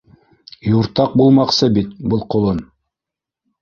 Юртаҡ булмаҡсы бит был ҡолон!